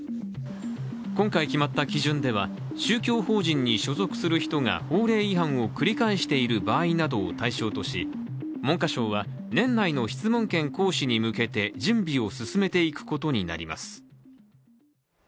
今回決まった基準では、宗教法人に所属する人が法令違反を繰り返している場合などを対象とし文科省は年内の質問権行使に向けて準備を進めていくことになります。